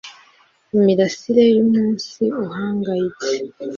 imirasire yumunsi uhangayitse